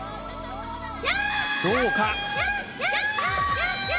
どうか？